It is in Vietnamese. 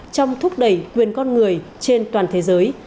trong thúc đẩy quyền con người trên toàn thế giới